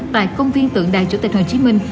tại công viên tượng đài chủ tịch hồ chí minh